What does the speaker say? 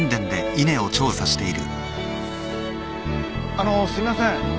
あのすいません。